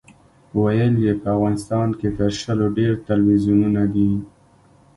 ویل یې په افغانستان کې تر شلو ډېر تلویزیونونه دي.